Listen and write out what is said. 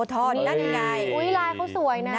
นั่นไงอุ๊ยลายเขาสวยนะ